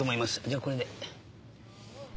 じゃあこれで。